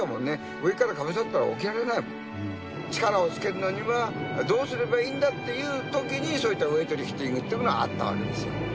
上からかぶさったら起きられないもん力をつけるのにはどうすればいいんだっていう時にそういったウエイトリフティングってのがあったわけですよ